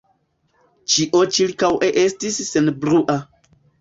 Ĉio ĉirkaŭe estis senbrua.